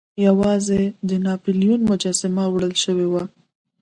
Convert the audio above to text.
یوازې د ناپلیون مجسمه وړل شوې وه.